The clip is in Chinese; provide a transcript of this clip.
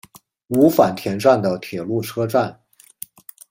五反田站的铁路车站。